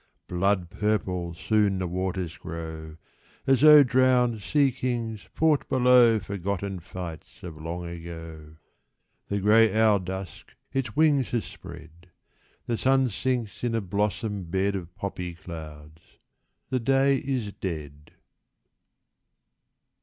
Blood purple soon the waters grow, As though drowned sea kings fought below Forgotten fights of long ago. The gray owl Dusk its wings has spread ; The sun sinks in a blossom bed Of poppy clouds ; the day is dead.